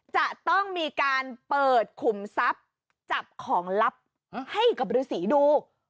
จะต้องมีการเปิดขุมทรัพย์จับของลับให้กับฤษีดู